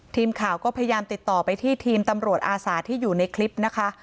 ทีมข่าวก็พยายามติดต่อไปที่ทีมตำรวจอาสาที่อยู่ในคลิปนะคะ